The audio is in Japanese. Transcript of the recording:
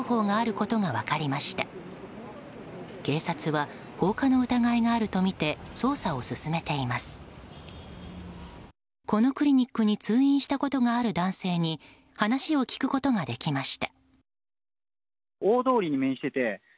このクリニックに通院したことがある男性に話を聞くことができました。